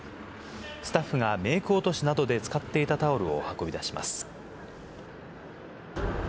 スタッフがメーク落としなどで使っていたタオルを運び出します。